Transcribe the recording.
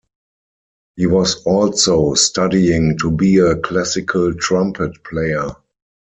He was also studying to be a classical trumpet player.